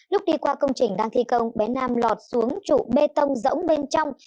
lúc đi qua công trình đang thi công bé nam lọt xuống trụ bê tông rỗng bên trong